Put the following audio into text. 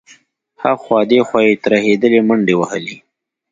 ها خوا دې خوا يې ترهېدلې منډې وهلې.